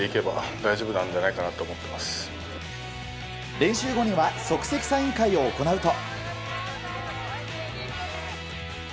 練習後には即席サイン会を行うと。